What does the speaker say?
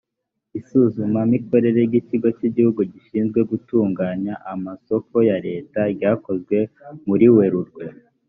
isuzumamikorere ry ikigo cy igihugu gishinzwe gutunganya amasoko ya leta ryakozwe muri werurwe